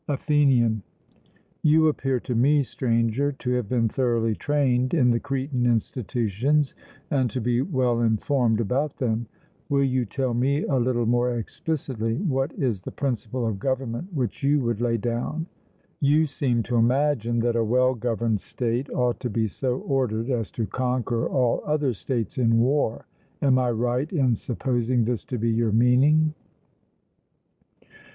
ATHENIAN: You appear to me, Stranger, to have been thoroughly trained in the Cretan institutions, and to be well informed about them; will you tell me a little more explicitly what is the principle of government which you would lay down? You seem to imagine that a well governed state ought to be so ordered as to conquer all other states in war: am I right in supposing this to be your meaning?